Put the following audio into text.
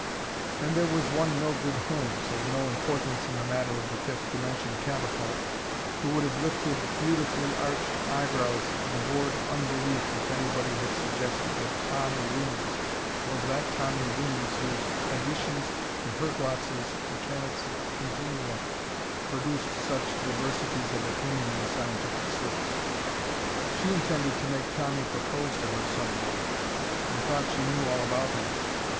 And there was one Mildred Holmes of no importance in the matter of the Fifth Dimension Catapult who would have lifted beautifully arched eyebrows in bored unbelief if anybody had suggested that Tommy Reames was that Thomas Reames whose "Additions to Herglotz's Mechanics of Continua" produced such diversities of opinion in scientific circles. She intended to make Tommy propose to her some day, and thought she knew all about him.